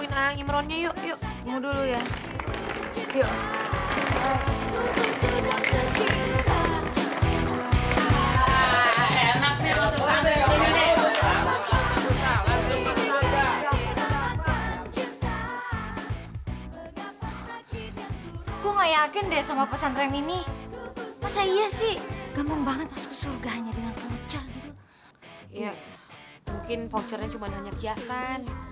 iya mungkin vouchernya cuma hanya kiasan